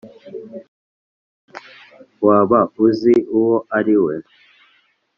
waba uzi uwo ari we?